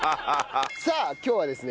さあ今日はですね